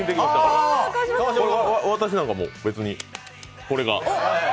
私なんかも別に、これが。